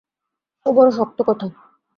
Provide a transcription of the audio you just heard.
ও বড়ো শক্ত কথা।